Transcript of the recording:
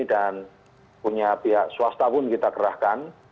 dan punya pihak swasta pun kita kerahkan